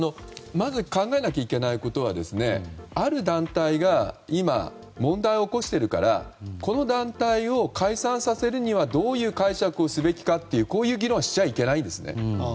まず考えなきゃいけないことはある団体が今、問題を起こしているからこの団体を解散させるにはどういう解釈をすべきかという議論をしちゃいけないですね。